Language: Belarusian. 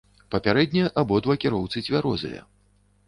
Папярэдне абодва кіроўцы цвярозыя.